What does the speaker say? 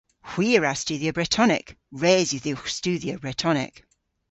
Hwi a wra studhya Bretonek. Res yw dhywgh studhya Bretonek.